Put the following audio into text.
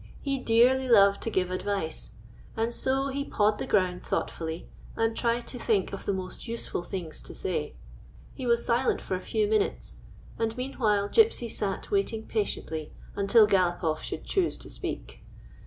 He dearly loved to give advice, and so he pawed the ground thought fully, and tried to think of the most useful things to say. He was silent for a few minutes, 1 1 2 OUT INTO THE BIG WORLD and meanwhile Gypsy sat waiting patiently until Galopoff should choose to speak.